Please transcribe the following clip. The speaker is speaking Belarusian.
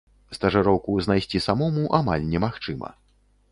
Стажыроўку знайсці самому амаль немагчыма.